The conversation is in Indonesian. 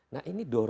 nah ini dorongnya